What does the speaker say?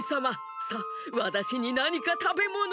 さあわたしになにかたべものを！